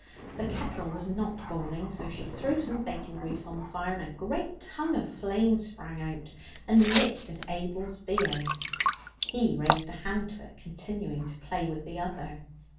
The kettle was not boiling, so she threw some bacon grease on the fire, and a great tongue of flame sprang out and licked at Abel's beard. He raised a hand to it, continuing to play with the other.